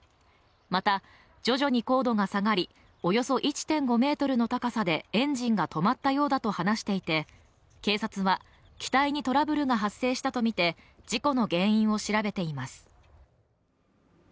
また、徐々に高度が下がりおよそ１．５ｍの高さでエンジンが止まったようだと話していて、警察は機体にトラブルが発生したとみて、事故の原因を調べています。